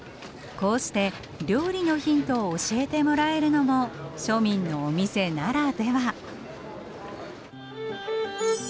こうして料理のヒントを教えてもらえるのも庶民のお店ならでは。